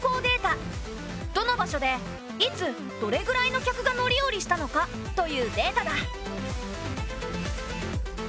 どの場所でいつどれぐらいの客が乗り降りしたのかというデータだ。